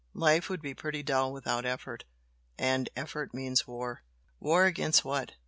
Life would be pretty dull without effort and effort means war." "War against what?